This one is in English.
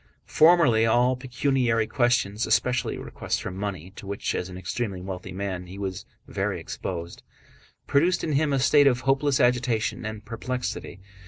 Formerly all pecuniary questions, especially requests for money to which, as an extremely wealthy man, he was very exposed, produced in him a state of hopeless agitation and perplexity.